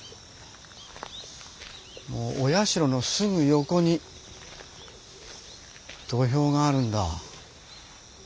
お社のすぐ横に土俵があるんだ。